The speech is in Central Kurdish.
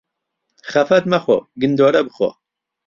خەفەت مەخۆ، گندۆره بخۆ.